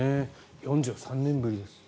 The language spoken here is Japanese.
４３年ぶりです。